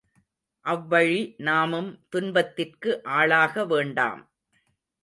அவ்வழி நாமும் துன்பத்திற்கு ஆளாக வேண்டாம்!